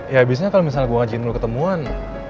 ya abisnya kalo misalnya gue ngajakin lu ketemuan